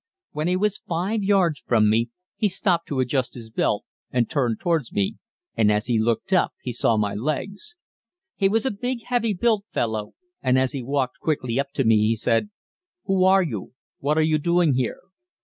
When he was 5 yards from me, he stopped to adjust his belt and turned towards me, and as he looked up he saw my legs. He was a big heavy built fellow, and as he walked quickly up to me he said, "Who are you? What are you doing here?"